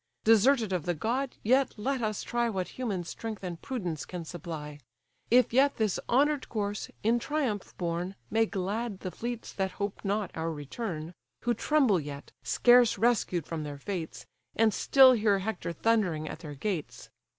Deserted of the god, yet let us try What human strength and prudence can supply; If yet this honour'd corse, in triumph borne, May glad the fleets that hope not our return, Who tremble yet, scarce rescued from their fates, And still hear Hector thundering at their gates.